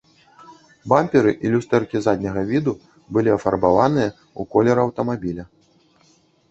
Бамперы і люстэркі задняга віду былі афарбаваныя ў колер аўтамабіля.